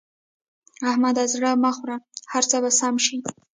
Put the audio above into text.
احمده! زړه مه غورځوه؛ هر څه به سم شي.